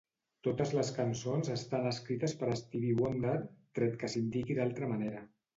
Totes les cançons estan escrites per Stevie Wonder, tret que s'indiqui d'altre manera.